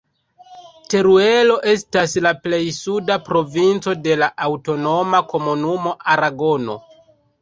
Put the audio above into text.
Teruelo estas la plej suda provinco de la Aŭtonoma Komunumo Aragono.